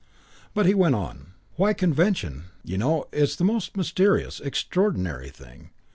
But he went on. "Why, convention, you know, it's the most mysterious, extraordinary thing.